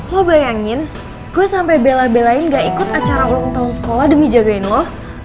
lo bayangin gue sampai bela belain gak ikut acara ulang tahun sekolah demi jagain lo